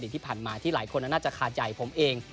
ที่ผ่านมาที่หลายคนนั้นน่าจะคาใจผมเอง